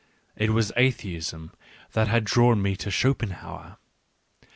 It was atheism that had drawn me to Schopenhauer.